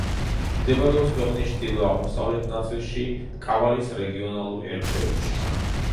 მდებარეობს ქვეყნის ჩრდილო-აღმოსავლეთ ნაწილში, კავალის რეგიონალურ ერთეულში.